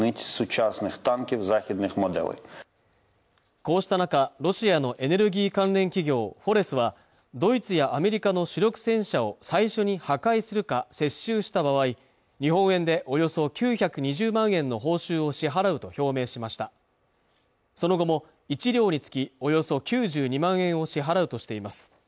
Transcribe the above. こうした中ロシアのエネルギー関連企業フォレスはドイツやアメリカの主力戦車を最初に破壊するか接収した場合日本円でおよそ９２０万円の報酬を支払うと表明しましたその後も１両につきおよそ９２万円を支払うとしています